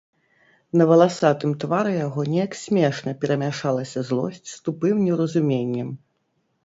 На валасатым твары яго неяк смешна перамяшалася злосць з тупым неўразуменнем.